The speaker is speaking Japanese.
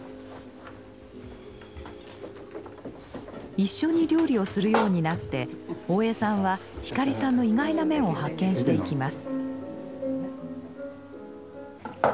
一緒に料理をするようになって大江さんは光さんの意外な面を発見していきます。